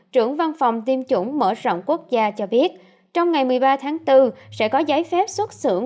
trưởng văn phòng tiêm chủng mở rộng quốc gia cho biết trong ngày một mươi ba tháng bốn sẽ có giấy phép xuất xưởng